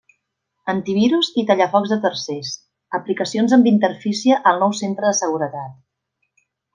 Antivirus i tallafocs de tercers, aplicacions amb interfície al nou Centre de seguretat.